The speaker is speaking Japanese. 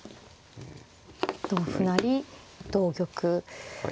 同歩成同玉。